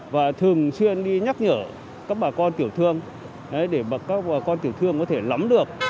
và thường xuyên đi nhắc nhở các bà con tiểu thương để các bà con tiểu thương có thể lắm được